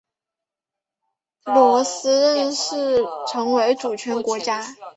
罗斯正式成为主权国家。